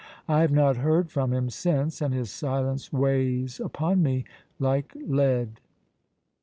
I have not heard from him since and his silence weighs upon me like lead."